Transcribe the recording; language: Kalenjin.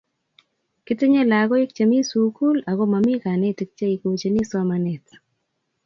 kitinye lakoik chemi sukul aku momi kanetik cheikochini somanet